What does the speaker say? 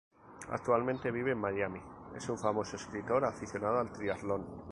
Actualmente vive en Miami, es un famoso escritor aficionado al Triatlón.